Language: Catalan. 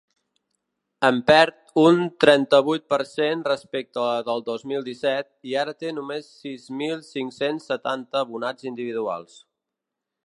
En perd un trenta-vuit per cent respecte del dos mil disset i ara té només sis mil cinc-cents setanta abonats individuals.